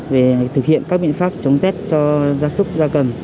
về thực hiện các biện pháp chống rét cho da súc da cầm